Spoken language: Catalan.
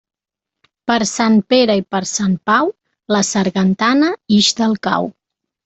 Per Sant Pere i per Sant Pau, la sargantana ix del cau.